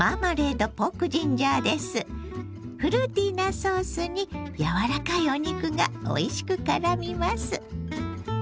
フルーティーなソースに柔らかいお肉がおいしくからみます。